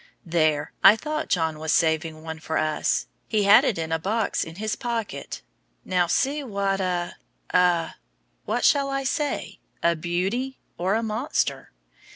There! I thought John was saving one for us. He had it in a box in his pocket. Now see what a a what shall I say? A beauty? or a monster?